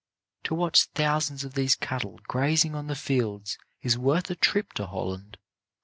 To watch thousands of these cattle grazing on the fields is worth a trip to Holland.